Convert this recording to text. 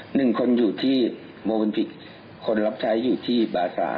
หนึ่งคนอยู่ที่โมเมนจิกคนรับใช้อยู่ที่บาซา